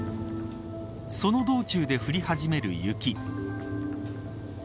その道中で降り始める雪。